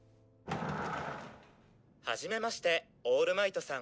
初めましてオールマイトさん。